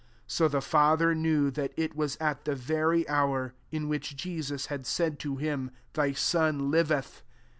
53 So the father knew that ii vhu at the very hour, in which Jesus had said to him, Thy son liveth."